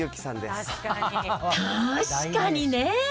確かにね。